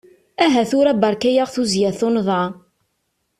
Aha tura berka-aɣ tuzya tunḍa!